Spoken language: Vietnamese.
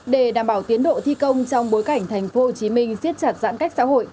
để đảm bảo tiến độ thi công trong bối cảnh thành phố hồ chí minh siết chặt giãn cách xã hội